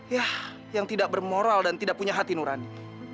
ya yang tidak bermoral dan tidak punya hati nurani